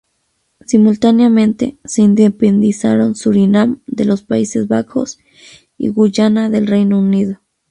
Simultáneamente, se independizaron Surinam de los Países Bajos y Guyana del Reino Unido.